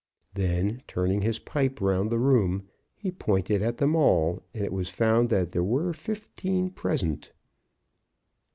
Then, turning his pipe round the room, he pointed at them all, and it was found that there were fifteen present.